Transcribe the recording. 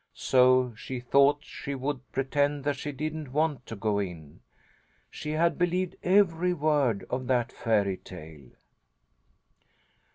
So she thought she would pretend that she didn't want to go in. She had believed every word of that fairy tale.